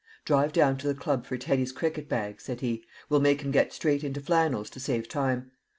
"Drive down to the club for Teddy's cricket bag," said he; "we'll make him get straight into flannels to save time.